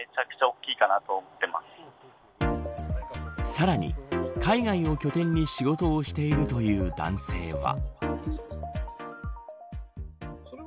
さらに、海外を拠点に仕事をしているという男性は。